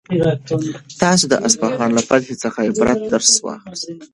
تاسو د اصفهان له فتحې څخه د عبرت درس واخلئ.